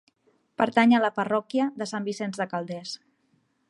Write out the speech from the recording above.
Pertany a la parròquia de Sant Vicenç de Calders.